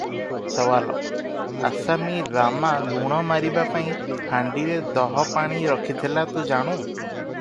ସୱାଲ - ଆସାମୀ ରାମା ଲୁଣ ମାରିବା ପାଇଁ ହାଣ୍ଡିରେ ଦହପାଣି ରଖିଥିଲା, ତୁ ଜାଣୁ?